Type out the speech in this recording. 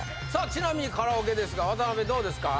ちなみにカラオケですが渡辺どうですか？